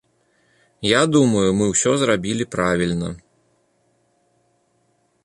Я думаю, мы ўсё зрабілі правільна.